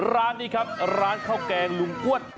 ร้านนี้ครับร้านข้าวแกงลุงอ้วน